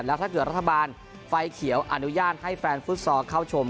แล้วถ้าเกิดรัฐบาลไฟเขียวอนุญาตให้แฟนฟุตซอลเข้าชม